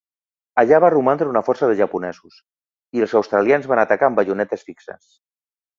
Allà va romandre una força de japonesos, i els australians van atacar amb baionetes fixes.